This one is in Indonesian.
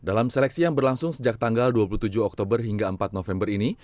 dalam seleksi yang berlangsung sejak tanggal dua puluh tujuh oktober hingga empat november ini